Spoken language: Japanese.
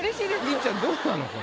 みっちゃんどうなの？